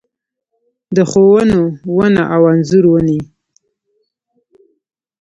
د ښونه ونه او انځر ونې